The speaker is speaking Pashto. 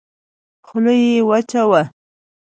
خوله يې وچه وه.